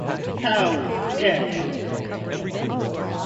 How dare you insult my brother!